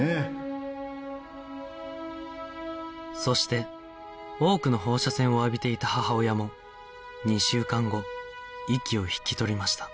そして多くの放射線を浴びていた母親も２週間後息を引き取りました